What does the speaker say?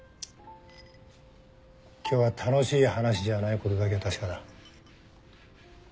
今日は楽しい話じゃないことだけは確かだ。